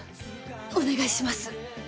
お願いします。